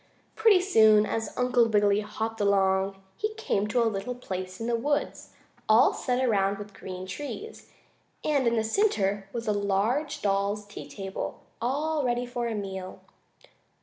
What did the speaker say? Pretty soon, as Uncle Wiggily hopped along, he came to a little place in the woods, all set around with green trees, and in the center was a large doll's tea table, all ready for a meal.